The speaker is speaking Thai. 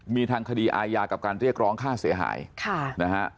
มีทางคดีอาญากับการเรียกร้องค่าเสียหายค่ะนะฮะ